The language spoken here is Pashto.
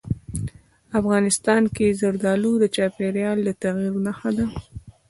افغانستان کې زردالو د چاپېریال د تغیر نښه ده.